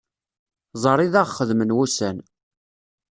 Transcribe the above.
Ẓer i d aɣ-xedmen wussan.